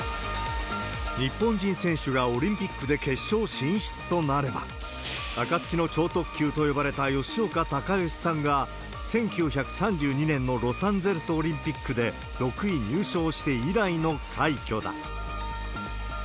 日本人選手がオリンピックで決勝進出となれば、暁の超特急と呼ばれた吉岡隆徳さんが、１９３２年のロサンゼルスオリンピックで６位入賞して以来の快挙だ。